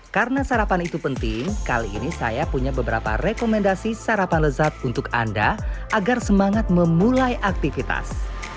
karena sarapan itu penting kali ini saya punya beberapa rekomendasi sarapan lezat untuk anda agar semangat memulai aktivitas